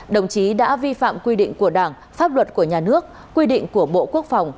đồng chí đã vi phạm quy định của đảng pháp luật của nhà nước quy định của bộ quốc phòng